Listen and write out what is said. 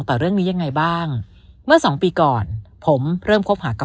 ต่อเรื่องนี้ยังไงบ้างเมื่อสองปีก่อนผมเริ่มคบหากับ